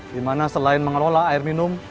dimana selain mengelola air minum